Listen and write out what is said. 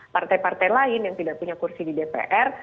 partai partai lain yang tidak punya kursi di dpr